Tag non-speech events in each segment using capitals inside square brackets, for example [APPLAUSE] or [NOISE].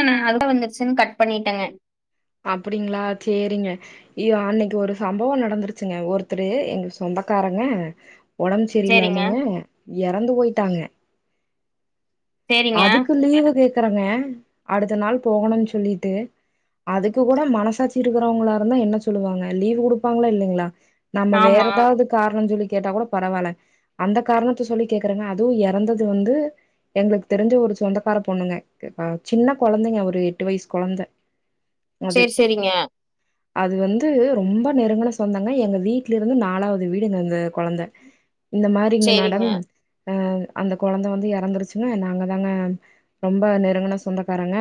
ஆ அழுக வந்துருச்சின்னு கட் பண்ணிட்டங்க அப்டிங்களா சேரிங்க யா அன்னிக்கி ஒரு சம்பவ நடந்துருச்சிங்க ஒருத்தர் எங்க சொந்தக்காரங்க உடம்பு சேரிங்க சரியில்லாமங்க இறந்து போயிட்டாங்க சேரிங்க அதுக்கு லீவு கேக்குறங்க அடுத்த நாள் போகணும்னு சொல்லிட்டு அதுக்கு கூட மனசாட்சி இருக்கிறவங்களா இருந்தா என்ன சொல்லுவாங்க லீவ்வு குடுப்பாங்களா இல்லைங்களா நம்ம வேற ஆமா ஏதாவது காரண சொல்லி கேட்டா கூட பரவாயில்ல அந்த காரணத்த சொல்லி கேக்கறங்க அதுவு இறந்தது வந்து எங்களுக்கு தெரிஞ்ச ஒரு சொந்தக்கார பொண்ணுங்க சின்ன கொழந்தைங்க ஒரு எட்டு வயசு கொழந்த அது. சேர் சேரி சேரிங்க அது வந்து ரொம்ப நெருங்கன சொந்தாங்க எங்கள் வீட்ல இருந்து நாலாவது வீடுங்க அந்த கொழந்த இந்த மாரிங்க சேரிங்க மேடம் அ அந்த கொழந்த வந்து இறந்துருச்சிங்கா நங்க தாங்க ரொம்ப நெருங்கன சொந்தக்காரங்க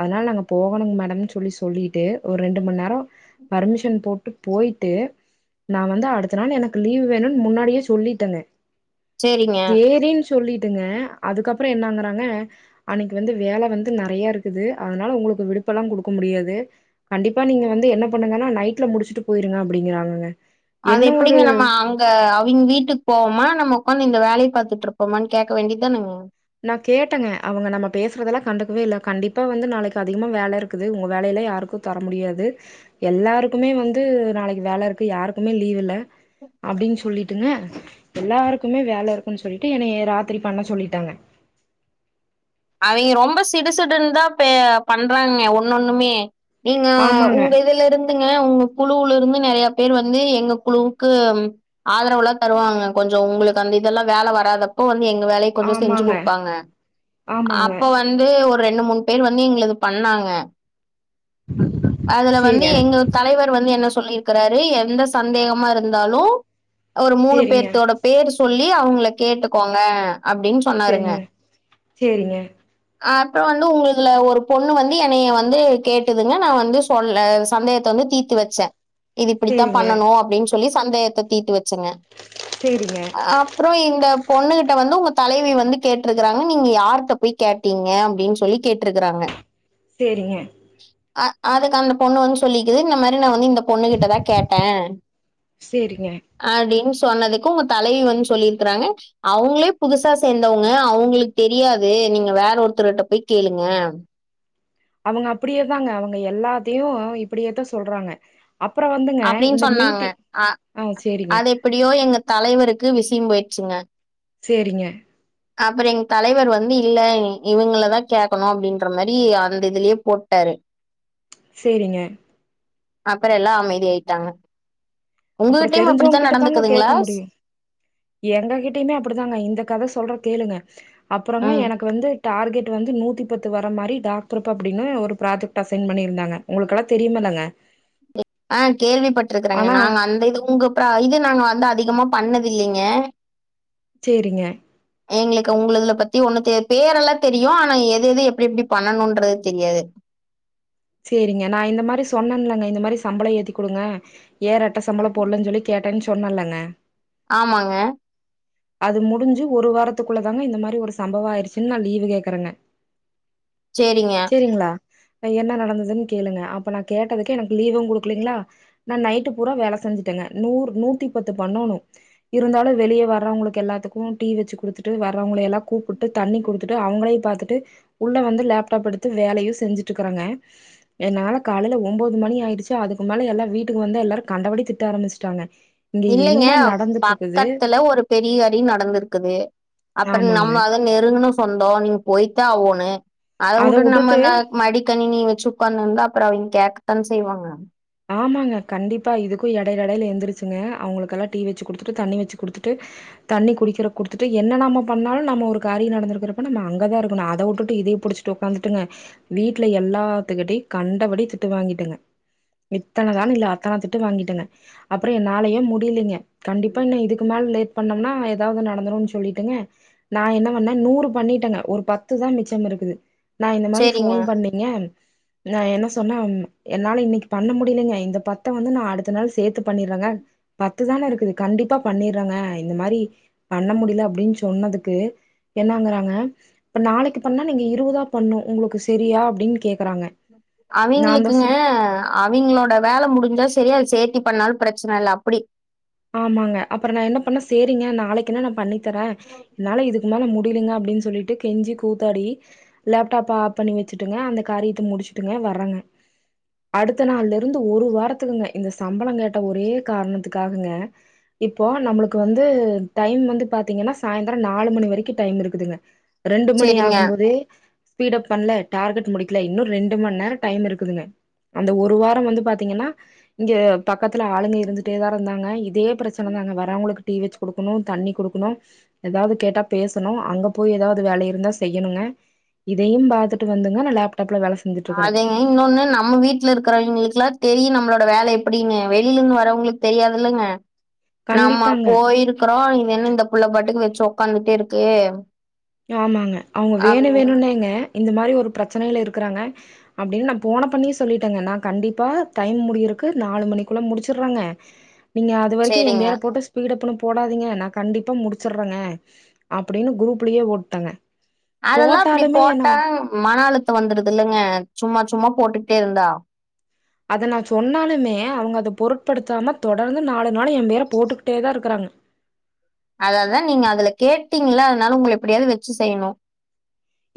அதனால நாங்க போகணுங்க மேடம் போய் சொல்லிட்டு ஒரு ரெண்டு ம நேர பர்மிஷன் போட்டு போயிட்டு நா வந்து அடுத்த நாள் எனக்கு லீவ் வேணும்னு முன்னாடியே சொல்லிட்டங்க சேரிங்க சேரினு சொல்லிட்டு ங்க அதுக்கப்பற என்னங்கறாங்க அன்னிக்கி வந்து வேல வந்து நெறைய இருக்குது அதனால உங்களுக்கு விடுப்புலா குடுக் டுக்க முடியாது கண்டிப்பா நீங்க வந்து என்ன பண்ணுங்கன்னா நைட்ல முடிச்சிட்டு போயிருங்க அப்படிங்கறாங்கங்க அது எப்டிங்க நம்ம அவுங் அ அவிங்க வீட்டுக்கு போவோமா நம் உட்காந்து இந்த வேலைய பாத்துட்டு இருப்போமா கேட்க வேண்டிதானங்க நா கேட்டங்க அவுங்க நம்ம பேசுறதுதெல்லா கண்டுக்கவே இல்ல கண்டிப்பா வந்து நாளைக்கி அதிகமா வேல இருக்குது உங்க வேலையெல்லா யாருக்கு தர முடியாது எல்லாருக்குமே வந்து நாளைக்கு வேல இருக்கு யாருக்குமே லீவ் இல்ல அப்டின்னு சொல்லிட்டுங்க எல்லாருக்குமே வேல இருக்குன்னு சொல்லிட்டு என்னய ராத்திரி பண்ண சொல்லிட்டாங்க அவிங்க ரொம்ப சிடுசிடுன்னு தா பே பண்றாங்க ஒன்னு ஒன்னுமே நீங்க ஆமாங்க, உங்க இதுல இருந்து இல்லைங்க உங்க குழுல இருந்து நெறைய பேர் வந்து எங்க குழுவுக்கு ஆதரவுலா தருவாங்க கொஞ்ச உங்களுக்கு அந்த இதுதெல்லா வேல வராத அப்போ வந்து எங்க வேலய கொஞ்ச செஞ்சி ஆமாங்க, குடுப்பாங்க ஆமாங்க. அப்ப வந்து ஒரு ரெண்டு மூணு பேர் வந்து எங்களது பண்ணாங்க அதுல வந்து சரிங்க, எங்களுக் தலைவர் வந்து என்ன சொல்லியிருக்கறாரு எந்த சந்தேகமா இருந்தாலு ஒரு மூணு சரிங்க, பேர்த்தோட பேர் சொல்லி அவுங்கள கேட்டுக்கோங்க அப்டின்னு சேரிங்க சேரிங்க அப்பற வந்து உங்கதுல ஒரு பொண்ணு வந்து என்னைய வந்து கேட்டுதுங்க நா வந்து சொல்லல சந்தேகத்த வந்து தீத் தீத்து வச்ச இது இப்டித்தா சரிங்க, பண்ணனு அப்டின்னு சொல்லி சந்தேகத்த தீத்து வச்சங்க சேரிங்க அப்புறொ இந்த பொண்ணுகிட்ட வந்து உங்க தலைவி வந்து கேட்ருக்குறாங்க நீ நீங்க யார்ட்ட போய் கேட்டீங்க அப்படின்னு சொல்லி கேட்ருக்குறாங்க சேரிங்க அ அதுக்கு அந்த பொண்ணு வந்து சொல்லிக்கிது இந்த மாரி நா வந்து இந்த பொண்ணுகிட்டதா கேட்டே சரிங்க. அப்டின் சொன்னதுக்கு உங்க தலைவி வந்து சொல்லிருக்குறாங்க அவுங்களே புதுசா சேந்தவுங்க அவுங்களுக் தெரியாது நீங்க வேற ஒருத்தர்கிட்ட போய் கேளுங்க அவுங்க அப்டியேதாங்க அவுங்க எல்லாத்தையு இப்படியேத்தான் சொல்றாங்க அப்பறொ வந்துங்க இந்த அப்டின்னு மீட்டிங் ஆ சேரிங்க எப்படியோ எங்க தலைவருக்கு விஷயம் போயிருச்சிங்க சேரிங்க அப்பற எங்க தலைவர் வந்து இல்ல இவுங்கள தா கேக்கணு அப்டின்ற மாதிரி அந்த இதுலயே போட்டாரு சேரிங்க அப்பற எல்லா அமைதி ஆயிட்டாங்க அப்புறோ உங்ககிட்டையும் அப்படித்தான் நடந்துக்குதுங்ளா எங்ககிட்டயுமே அப்படித்தாங்க இந்த கத சொல்ற கேளுங்க அப்புறங்க ம் எனக்கு வந்து டார்கெட் வந்து நூத்தி பத்து வர மாரி டாக்ட்ருப்பு அப்டின்னு ஒரு ப்ராஜெக்ட் அசைன் பண்ணியிருந்தாங்க உங்களுக்கெல்லா தெரியுமில்லங்க ஆ கேள்விப்பட்ருக்குறேங்க ஆனா நாங்க அந்த இது உங்க ப்ரா இது நாங்க வந்து அதிகமா பண்ணதுல்லிங்க சேரிங்க எங்களுக்கு உங்களதுல பத்தி ஒண்ணு தெ பேரெல்லா தெரியு ஆனா எது எது எப்டி எப்டி பண்ணனுன்றது தெரியாது செரிங்க நா இந்த மாரி சொன்னேன்லங்க இந்த மாரி சம்பள ஏத்தி குடுங்க ஏறட்ட சம்பளம் போட்லன் சொல்லி கேட் டேன் சொன்னல்லங்க ஆமாங்க அது முடிஞ்சு ஒரு வாரத்துக்குள்ள தாங்க இந்த மாரி ஒரு சம்பவொ ஆயிருச்சுன்னு நா லீவு கேக்குறேங்க சேரிங்க செரிங்ளா என்ன நடந்ததுன் கேளுங்க அப்ப நா கேட்டதுக்கே எனக்கு லீவூ குடுக்குலீங்ளா நா நைட்டு பூரா வேல செஞ்சுட்டேங்க நூ நூத்தி பத்து பண்ணணு இருந்தாலு வெளியே வர்றவுங்களுக்கு எல்லாத்துக்கூ டீ வெச்சு குடுத்துட்டு வர்றவுங்கள எல்லா கூப்புட் டு தண்ணி குடுத்துட்டு அவுங்களே பாத்துட்டு உள்ள வந்து லேப்டாப் எடுத்து வேலையு செஞ்சுட்ருக்கறங்க என்னால காலையில ஒம்போது மணி ஆயிடுச்சு அதுக்கு மேலே எல்லா வீட்டுக்கு வந்து எல்லாரு கண்டபடி திட்ட ஆரம்பிச்சுட்டாங்க இங்க இல்லைங்க என்ன நடந்துட்டு இருக்குது பக்கத்துல ஒரு பெரிய அடி நடந்திருக்குது அப்பற ஆமாங்க நம்ம அத நெருங்குன சொந்தோ நீங்க போயித்தா ஆவோனு அத வுட்டுட்டு நம்ம மடிக்கணிணி வச்சு உட்காந்து இருந்தா அப்பற அவிங்க கேக்கத்தான செய்வாங்க ஆமாங்க கண்டிப்பா இதுக்கூ எடையில எடையில எந்திரச்சுங்க அவுங்களுக்கெல்லாம் டீ வச்சு குடுத்துட்டு தண்ணி வச்சு குடுத்துட்டு தண்ணி குடிக்கிற குடுத்துட்டு என்ன நம்ம பண்ணாலு நம்ம ஒரு காரிய நடந்தருக்கிறப்ப நம்ம அங்கதா இருக்கணு அத வுட்டுட்டு இதே புடிச்சிட்டு டு ஒக்காந்துட்டுங்க வீட்டுல எல்லாத்துக்கிட்டயு கண்டபடி திட்டு வாங்கிட்டங்க இத்தனநாள் இல்ல அத்தன திட்டு வாங்கிட்டேங்க அப்பறொ என்னாலயே முடியலைங்க கண்டிப்பா இன்னு இதுக்கு மேல லேட் பண்ணம்னா எதாவ்து நடந்துருன் சொல்லிட்டுங்க நா என்ன பண்ணே நூறு பண்ணிட்டேங்க ஒரு பத்து பத்துதா மிச்சம் இருக்குது நா இந்த மாரி சேரிங்க ஃபோன் பண்ணி ங்க நா என்ன சொன்ன என்னால இன்னைக்கு பண்ண முடியலிங்க இந்த பத்த வந்து நா அடுத்த நாள் சேத்து பண்ணிறேங்க பத்து தான இருக்குது கண்டிப்பா பண்ணிறேங்க இந்த மாரி பண்ண முடில அப்டின் சொன்னதுக்கு என்னங்கறாங்க இப்ப நாளைக்கு பண்ணா நீங்க இருவதா பண்ணு உங்களுக்கு சேரியா அப்டின்னு கே அவிங்களுக்குங்க அவிங்களோட வேல முடிஞ்சா செரி அது சேத்தி பண்ணாலு பிரச்சன இல்ல அப்புடி ஆமாங்க அப்பறோ நா என்ன பண்ண சேரிங்க நாளைக்குனா நா பண்ணி தரே என்னால இதுக்கு மேல முடி இருங்க அப்டின்னு சொல்லிட்டு கெஞ்சி கூத்தாடி லேப்டாப்ப ஆப் பண்ணி வெச்சுட்டுங்க அந்த காரியத்த முடிச்சுட்டுங்க வர்றங்க அடுத்த நாள்ல இருந்து ஒரு வாரத்துக்குங்க இந்த சம்பளோ கேட்ட ஒரே காரணத்துக்காகங்க இப்போ நம்முளுக்கு வந்து டைம் வந்து பாத்தீங்கன்னா சாயந்திரோ நாலு மணி வரிக்கோ டைம் இருக்குதுங்க ரெண்டு மணி சேரிங்க ஆகும் போது ஸ்பீட்அப் பண்ல டார்கெட் முடிக்கல இன்னு ரெண்டு மண் நேரோ டைம் இருக்குதுங்க அந்த ஒரு வாரோ வந்து பாத்தீங்கன்னா இங்க பக்கத்துல ஆளுங்க இருந்துட்டேதா இருந்தாங்க இதே பிரச்சன தாங்க வரவங்குளுக்கு டீ வெச்சு குடுக்கணோ தண்ணி குடுக்கணோ எதாவது கேட்டா பேசணோ அங்க போய் எதாவது வேலை இருந்தா செய்யணோங்க இதையு பாத்துட்டு வந்துங்க நா லேப்டாப்ல வேல செஞ்சுட்டு இருக்கறே ஆதெங் இன்னொன்னு நம்ம வீட்ல இருக்கிறவயங்களுக்லா தெரியு நம்மளோட வேல எப்டினு வெளில இருந்து வரவங்குளுக்கு தெரியாது இல்லங்க நம்ம கண்டிப்பாங்க போயிருக்கறோ இது என்ன இந்த புள்ள பாட்டுக்கு வெச்சு ஒக்காந்துட்டே இருக்கே ஆமாங்க அவங்க வேணு வேணுனேங்க இந்த மாரி ஒரு பிரச்சனைையில இருக்குறாங்க அப்டீன்னு நா போன பண்ணியே சொல்லிட்டேங்க நா கண்டிப்பா டைம் முடியிருக்கு நாலு மணிக்குள்ள முடிச்சுடுறேங்க நீங்க அது வரிக்கு எ சரிங்க. பேற போட்டு பீடப்லா போடாதீங்க நா கண்டிப்பா முடிச்சுறுவங்க அப்டீனு குரூப் லயே போட்டங்க அதெல்லா அப்டி போட்டா மன அழுத்தோ வந்துரது இல்லங்க சும்மா சும்மா போட்டுகிட்டே இருந்தா அத நா சொன்னாலுமே அவங்க அத பொருட்படுத்தாம தொடர்ந்து நாலு நாள் ஏ பேரை போட்டுக்கிட்டே தா இருக்குறாங்க அத தா நீங்க அதுல கேட்டீங்கள அதனால உங்கல எப்புடியாவது வெச்சு செய்யணோ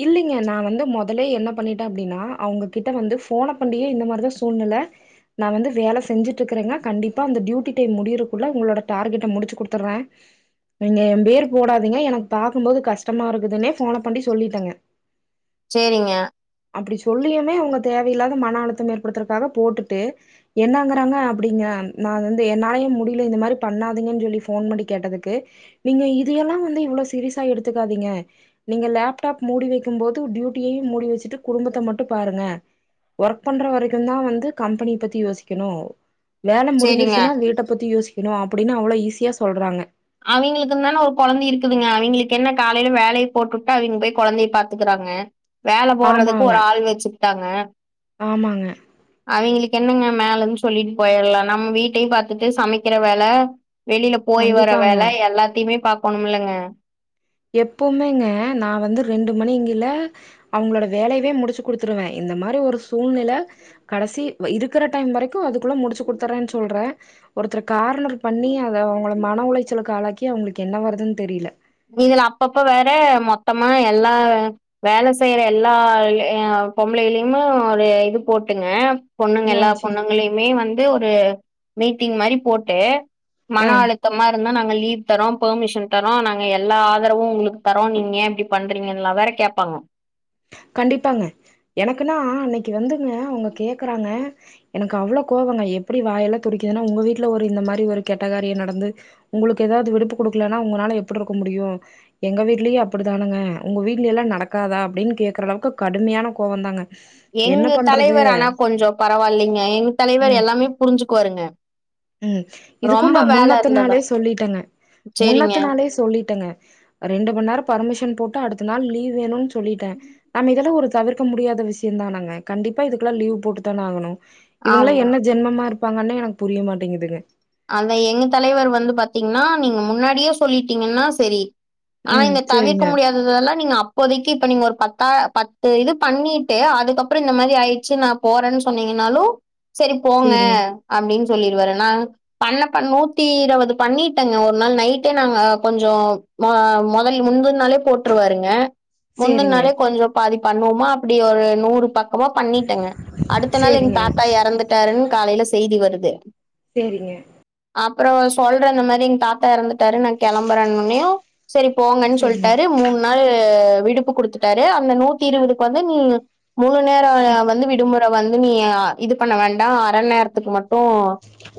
இல்லீங்க நா வந்து மொதலே என்ன பண்ணிட்டே அப்டீன்னா அவுங்ககிட்ட வந்து ஃபோன ஃபெரெண்ட்லயே இந்த மாரிதா சூழ்நில நா வந்து வேல செஞ்சுட்ருக்கிறேங்க கண்டிப்பா அந்த டியூட்டி டைம் முடியறக்குள்ள உங்களோட டார்கெட்ட முடிச்சு குடுத்துருவ நீங்க ஏ பேரு போடாதீங்க எனக்கு பாக்கும் போது கஷ்டமா இருக்குதுன்னே ஃபோன பண்ணி சொல்லிட்டேங்க சேரிங்க அப்டி சொல்லியுமே அவுங்க தேவையில்லாத மன அழுத்தம் ஏற்படுத்றதுக்காக போட்டுட்டு என்னங்கறாங்க அப்டீங்க நா வந்து என்னாலயே முடியுல இந்த மாரி பண்ணாதீங்கன் சொல்லி ஃபோன் பண்டி கேட்டதுக்கு நீங்க இதையெல்லா வந்து இவ்ளோ சீரியஸா எடுத்துக்காதீங்க நீங்க லேப் டாப் மூடி வெக்கும் போது டியூட்டியையு மூடி வெச்சுட்டு குடும்பத்த மட்டு பாருங்க ஒர்க் பண்ற வரைக்கோந்தா வந்து கம்பெனி பத்தி யோசிக்கணோ வேல சரிங்க. முடிஞ்சிறுச்சுனா வீட்ட பத்தி யோசிக்கணோ அப்டீனு அவ்வளோ ஈஸியா சொல்றாங்க அவிங்களுக்குந்தான ஒரு கொழந்த இருக்குதுங்க அவிங்களுக்கு என்ன காலையில வேலய போட்டுட்டு அவிங்க போய் கொழந்தைய பாத்துக்குறாங்க வேல போட்றதுக்கு ஆமாங்க ஒரு ஆள் வெச்சுக்கிட்டாங்க ஆமாங்க அவிங்குளுக்கு என்னங்க மேலந்து சொல்லிட்டு போயிடலா நம்ம வீட்டையு பாத்துட்டு சமைக்குற வேல வெளில போய் வர கண்டிப்பாங்க வேல எல்லாத்தயுமே பாக்கணோம்லங்க எப்பவுமேங்க நா வந்து ரெண்டு மணிங்கள அவங்களோட வேலையவே முடிச்சு குடுத்துருவே இந்த மாரி ஒரு சூ சூழ்நில கடைசி இருக்குற டைம் வரைக்கோ அதுக்குள்ள முடிச்சு குடுத்தறேன்னு சொல்றே ஒருத்தர கார்னர் பண்ணி அத அவங்கள மன உளைச்சலுக்கு ஆளாக்கி அவங்களுக்கு என்ன வருதுன்னு தெரியுல இதுல அப்பப்ப வேற மொத்தமா எல்லா வேல செய்யற எல்லா அ பொம்பளைலியுமு ஒரு இது போட்டுங்க பொண்ணுங்க ஆ எல்லா சரி பொண்ணுங்களையுமே வந்து ஒரு மீட்டிங் மாரி போட்டு ஆ மன அழுத்தமா இருந்தா நாங்க லீவ் தரோ பொமிஷன் தரோ நாங் எல்லா ஆதரவு உங்களுக்கு தரோ நீங்க ஏ இப்டி பண்றீங்கல்லா வேற கேப்பாங்க கண்டிப்பாங்க எனக்குனா அன்னைக்கு வந்துங்க அவுங்க கேக்கறாங்க எனக்கு அவ்ளோ கோவங்க எப்டி வாயெல்லா துடிக்கிதுனா உங்க வீட்ல ஒரு இந்த மாரி ஒரு கெட்டகாரிய நடந்து உங்களுக்கு ஏதாவது விடுப்பு குடுக்கலனா உங்கனால எப்டி இருக்க முடியு எங்க வீட்லயு அப்டிதானங்க உங்க வீட்லயலா நடக்காதா அப்டின் கேக்குற அளவுக்கு கடுமையான கோவ தாங்க எங்க தலைவர் ஆனா கொஞ்சோ பரவால்லிங்க எங்க தலைவர் ம் எல்லாமே புரிஞ்சுக்குவாருங்க ம் இதுக்கு ரொம்ப நா வேல முன்னத்த இருந்ததா நாளே சொல்லிட்டங்க சரிங்க. முன்னத்த நாளே சொல்லிட்டங்க ரெண்டு மண் நேர பர்மிஷன் போட்டு அடுத்த நாள் லீவ் வேணுன் சொல்லிட்ட நம்ம இதெல்லா ஒரு தவிர்க்க முடியாத விஷிய தானங்க கண்டிப்பா இதுக்கெல்லா லீவ் போட்டு தான ஆகணு இவங்களா ஆமா. என்ன ஜென்மமா இருப்பாங்கனே எனக்கு புரிய மாட்டேங்கிதுங்க அதா எங்க தலைவர் வந்து பாத்தீங்னா நீங்க முன்னாடியே சொல்லிட்டீங்கன்னா செரி ஆனா ம் இந்த தவிர்க்க சேரிங்க முடியாது அதெல்லா நீங்க அப்போதைக்கு இப்ப நீங்க ஒரு பத்தா பத்து இது பண்ணிட்டு அதுக்கப்புற இந்த மாரி ஆய்ட்ச்சி நா போறேன்னு சொன்னீங்கன்னாலு செரி போங்க சேரிங்க அப்டின் சொல்லிருவாரு நா பண்ண பண் நூத்தி இரவது பண்ணிட்டங்க ஒரு நாள் நைட்டே நாங்க கொஞ்சோ ம மொதல் முஞ்சொரு நாளே போட்டுருவாருங்க முந்தன் சேரிங்க நாளே கொஞ்ச பாதி பண்ணுவோமா அப்டி ஒரு நூறு பக் அவா பண்ணிட்டங்க அடுத்த நாள் எங்க சேரிங்க தாத்தா எறந்துட்டாருன் காலைல செய்தி வருது சேரிங்க அப்றோ சொல்ற இந்த மாரி எங் தாத்தா எறந்துட்டாரு நா கெளம்புறன் ஒன்னியு செரி போங்கன் சேரிங்க சொல்ட்டாரு மூனு நாலு விடுப்பு குடுத்துட்டாரு அந்த நூத்தி இருவதுக்கு வந்து நீ மூணு மண் நேரோ சே வந்து விடுமுற ப வந்து நீ இது பண்ண வேண்டா அர நேரத்துக்கு மட்டு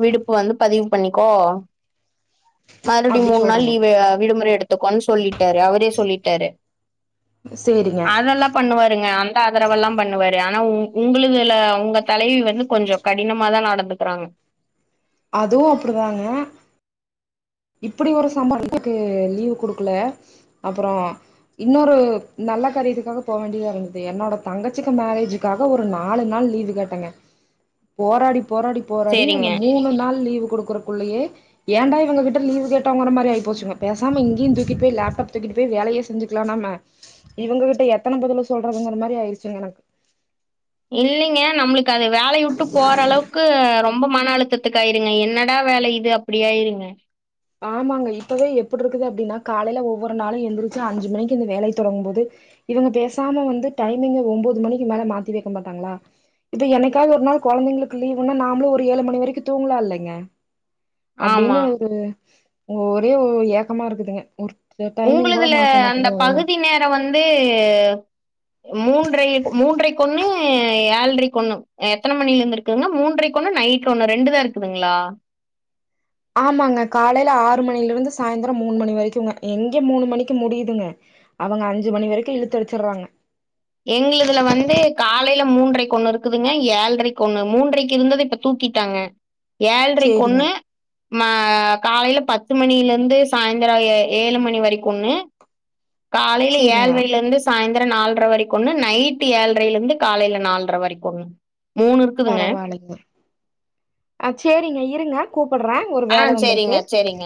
விடுப் பதிவு பண்ணிக்கோ மறுபடி அப்டி மூண் நாள் சொல்றாங்க லீவு விடுமுற எடு த்து கோன் சொல்லிட்டாரு அவரே சொல்லிட்டாரு சேரிங்க அதெல்லா பண்ணுவாருங்க அந்த ஆதரவெல்லா பண்ணுவாரு ஆனா உங் உங்களதுல உங்க தலைவி வந்து கொஞ்சோ கடினமா தா நடந்துக்றாங்க அதுவு அப்டிதாங்க இப்டி ஒரு சம்பளத்துக்கு லீவ் குடுக்கல அப்புறோ இன்னொரு நல்ல காரியத்துக்காக போ வேண்டியதா இருந்தது என்னோட தங்கச்சிக்கு மேரேஜி க்காக ஒரு நாலு நாள் லீவு கேட்டங்க போராடி போராடி போராடி அந்த சேரிங்க மூணு நாள் லீவு குடு க்குறக் குள்ளயே ஏண்டா இவுங்க கிட் ட லீவு கேட்டாங்கற மாரி ஆயிப் போச்சுங்க பேசாம இங்கியு தூக்கிட் போய் லேப்டாப் தூக்கிட்டு போயி வேலையே செஞ்சிக்லா நாம்ம இவுங்க கிட்ட எத்தன பதில சொல்றதுங்கற மாரி ஆயிரிச்சிங்க எனக்கு இல்லைங்க நம்மளுக்கு அது வேலைய வுட்டு போற அளவுக்கு ரொம்போ மன அழுத்தத் துக்காயிருங்க என்னடா வேல இது அப்டியாயிருங்க ஆமாங்க இப்பவே எப்டிருக்குது அப்டினா காலைல ஒவ்வொரு நாளு எந்திரிச்சி அஞ்சு மணிக்கு இந்த வேலை தொடங்கு போது இவுங்க பேசாம வந்து டைமிங்கு ஒன்பது மணிக்கு மேல மாத்தி வெக்க மாட்டாங்ளா இது என்னைக்காவது ஒரு நாள் கொழந்தைங்களுக்கு லீவுன்னா நாமளு ஒரு ஏழு மணி வரைக்கு தூங்லா இல்லைங்க அப்டின்னு ஆமா ஒரு ஒரே ஒ ஏக்கமா இருக்குதுங்க ஒரு டைமிங் கூட உங்களுதுல மாத்த அந்த மாட்டேங்குறாங்கன்னு பகுதி நேரோ வந்து மூன்றரைக் மூன்றரை ஒன்னு ஏழரைக் ஒன்னு எத்தன மணில இருந்துருக் குனா மூன்றைக்கு ஒண்ணு நைட் ஒண்ணு ரெண்டு தா இருக்குதுங்களா ஆமாங்க காலேல ஆறு மணில இருந்து சாயந்திரோ மூணு மணி வரைக்குங்க எங்க மூணு மணிக்கு முடியுதுங்க அவுங்க அஞ்சு மணி வரைக்கு இழுத்து அடிச்சிடுறாங்க எங்களதுல வந்து காலேல மூன்றைக்கு ஒண்ணு இருக்குதுங்க ஏழரைக்கு ஒண்ணு மூன்றரைக்கு இருந்தத இப்ப தூக்கிட்டாங்க [INAUDIBLE] ஏழரைக்கு சேரிங்க ஒண்ணு மா காலேல பத்து மணில இருந்து சாயந்தரோ ஏ ஏழு மணி வரைக்கு ஒண்ணு காலேல சேரிங்க ஏழ்ரைலருந்து சாயந்திரோ நால்ரை வரை கொன்னு நைட்டு ஏழ்ரைல இருந்து காலேல நால்ரை வரைக்கு ஒண்ணு மூணு இருக்குதுங்க பரவால்லைங்க ஆ சேரிங்க இருங்க கூப்பிடுறே ஒரு வேல ஆ வந்திருக்கு சேரிங்க சேரிங்க